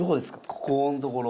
ここのところ。